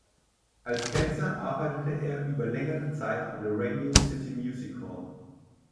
Als Tänzer arbeitete er über längere Zeit an der Radio City Music Hall.